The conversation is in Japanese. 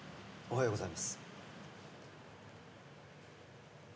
「おはようございます」